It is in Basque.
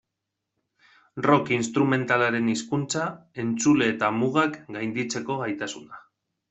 Rock instrumentalaren hizkuntza, entzule eta mugak gainditzeko gaitasuna.